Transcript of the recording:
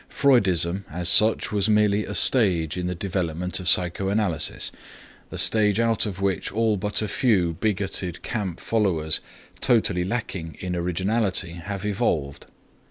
Freudism as such was merely a stage in the development of psychoanalysis, a stage out of which all but a few bigoted camp followers, totally lacking in originality, have evolved.